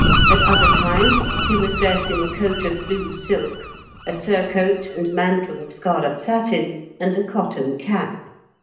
At other times he was dressed in a coat of blue silk, a surcoat and mantle of scarlet satin, and a cotton cap."